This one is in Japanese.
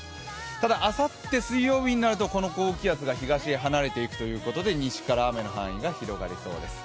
ただあさって水曜日になるとこの高気圧が東に離れるということで西から雨の範囲が広がりそうです。